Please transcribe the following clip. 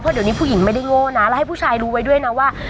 เดี๋ยวนี้ผู้หญิงไม่ได้โง่นะแล้วให้ผู้ชายรู้ไว้ด้วยนะว่า